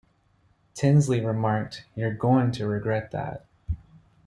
Tinsley remarked, You're going to regret that.